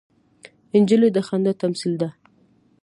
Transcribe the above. نجلۍ د خندا تمثیل ده.